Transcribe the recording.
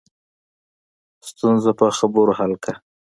ستونزه په خبرو حل کړه